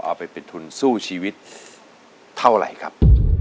เอาไปเป็นทุนสู้ชีวิตเท่าไหร่ครับ